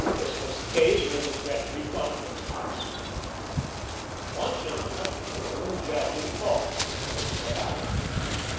This was the case with the Gretry Converse house. Once in the customers' room, Jadwin paused, looking about him.